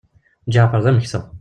Ǧeɛfer d ameksa.